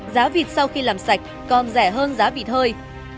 giá vịt sau khi làm sạch còn rẻ hơn giá vịt hơi